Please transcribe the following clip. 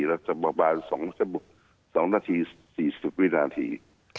เราจะประมาณ๒นาที๔๐วินาที